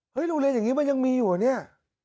โรงเรียนอย่างนี้มันยังมีอยู่เหรอเนี่ย